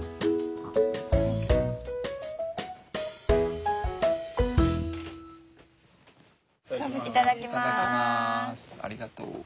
ありがとう。